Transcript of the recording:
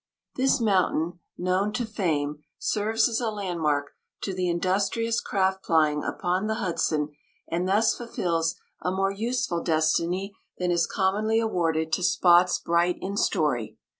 This mountain, "known to fame," serves as a landmark to the industrious craft plying upon the Hudson, and thus fulfils a more useful destiny than is commonly awarded to spots bright in story.